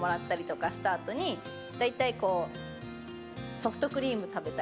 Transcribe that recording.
ソフトクリーム食べたり。